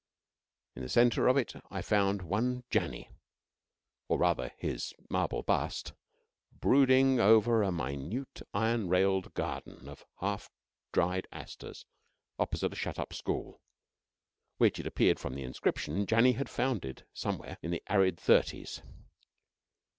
In the centre of it I found one Janny, or rather his marble bust, brooding over a minute iron railed garden of half dried asters opposite a shut up school, which it appeared from the inscription Janny had founded somewhere in the arid Thirties.